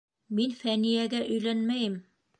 Мин Фәниәгә өйләнмәйем.